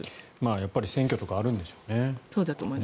やっぱり選挙とかあるんでしょうね。